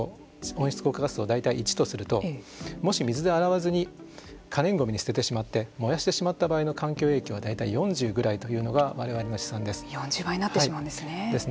温室効果ガスを大体１とするともし水で洗わずに可燃ゴミに捨ててしまって燃やしてしまった場合の環境影響は大体４０ぐらいというのが我々の試算です。